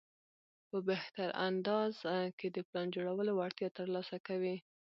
په بهتر انداز کې د پلان جوړولو وړتیا ترلاسه کوي.